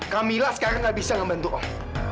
kamila sekarang nggak bisa ngebantu om